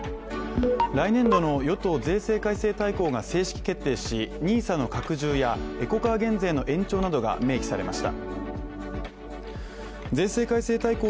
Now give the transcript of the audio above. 来年度の与党税制改正大綱が正式決定しＮＩＳＡの拡充やエコカー減税の延長などが明記されました。